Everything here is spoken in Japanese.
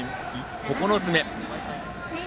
９つ目。